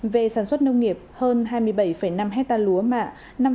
về sản xuất nông nghiệp hơn hai mươi bảy năm hectare lúa mạ